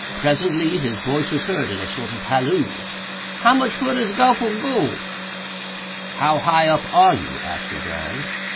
Presently his voice was heard in a sort of halloo. "How much fudder is got for go?" "How high up are you?" asked Legrand.